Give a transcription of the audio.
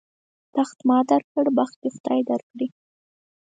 تخت ما در کړ، بخت دې خدای در کړي.